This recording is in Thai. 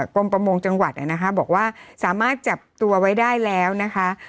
ประมงจังหวัดนะคะบอกว่าสามารถจับตัวไว้ได้แล้วนะคะ